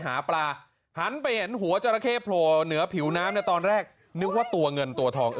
หาปลาหันไปเห็นหัวจราเข้โผล่เหนือผิวน้ำในตอนแรกนึกว่าตัวเงินตัวทอง